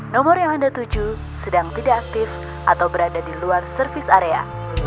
nomor yang anda tuju sedang tidak aktif atau berada di luar service area